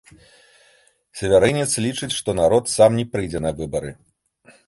Севярынец лічыць, што народ сам не прыйдзе не выбары.